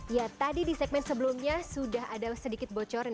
ya tadi di segmen sebelumnya sudah ada sedikit bocoran